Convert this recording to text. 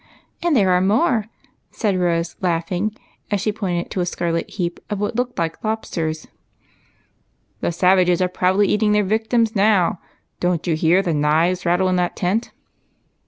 And there are more," said Rose, laughing, as she pointed to a scarlet heap of what looked like lobsters. " The savages are probably eating their victims now ; don't you hear the knives rattle in that tent